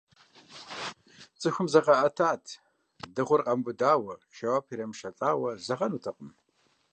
Цӏыхум зыкъаӏэтат, дыгъур къамыубыдауэ, жэуапым ирамышэлӀауэ зэгъэнутэкъым.